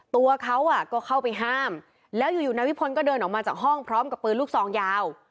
ตัวเขาก็เข้าไปห้ามแล้วอยู่นายวิพลก็เดินออกมาจากห้องพร้อมกับปืนลูกซองยาว